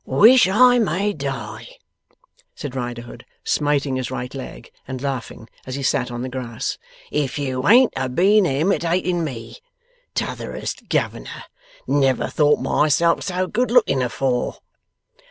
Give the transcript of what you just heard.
'Wish I may die,' said Riderhood, smiting his right leg, and laughing, as he sat on the grass, 'if you ain't ha' been a imitating me, T'otherest governor! Never thought myself so good looking afore!